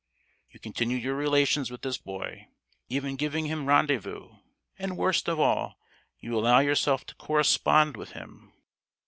You continue your relations with this boy, even giving him rendezvous, and, worst of all, you allow yourself to correspond with him!